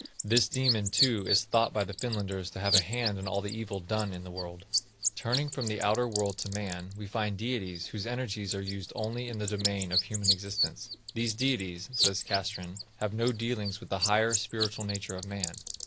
This demon, too, is thought by the Finlanders to have a hand in all the evil done in the world. Turning from the outer world to man, we find deities whose energies are used only in the domain of human existence. "These deities," says Castrén, "have no dealings with the higher, spiritual nature of man.